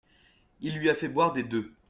Il lui a fait boire des deux.